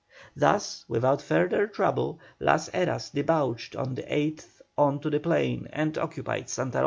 Thus, without further trouble, Las Heras debouched on the 8th on to the plain and occupied Santa Rosa.